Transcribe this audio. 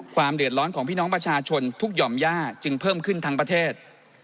ความเดือดร้อนของพี่น้องประชาชนทุกหย่อมย่าจึงเพิ่มขึ้นทั้งประเทศ